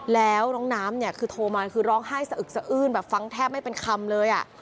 แล้วน้องน้ำโทรมาคือร้องไห้สะอึกสะอืนฟังแทบไม่เป็นคำเลย